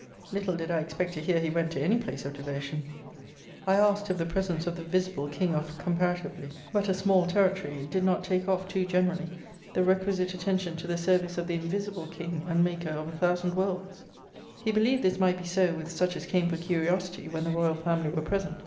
little did I expect to hear he went to any place of devotion. I asked, if the presence of the visible king of, comparatively, but a small territory, did not take off, too generally, the requisite attention to the service of the invisible King and Maker of a thousand worlds? He believed this might be so with such as came for curiosity, when the royal family were present.